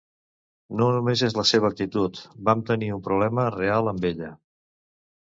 No només és la seva actitud, vam tenir un problema real amb ella.